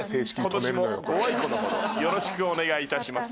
今年もご愛顧のほどよろしくお願いいたします。